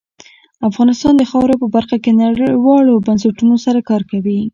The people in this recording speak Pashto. افغانستان د خاوره په برخه کې نړیوالو بنسټونو سره کار کوي.